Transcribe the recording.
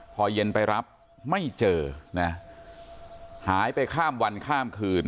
พอเย็นไปรับไม่เจอนะหายไปข้ามวันข้ามคืน